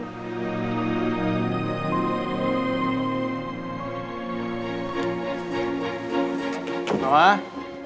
aku harus pastiin itu bunda atau bukan